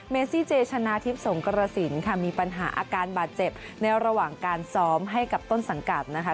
เมซี่เจชนะทิพย์สงกรสินค่ะมีปัญหาอาการบาดเจ็บในระหว่างการซ้อมให้กับต้นสังกัดนะคะ